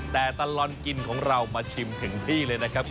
แต่ตลอดกินของเรามาชิมถึงที่เลยนะครับ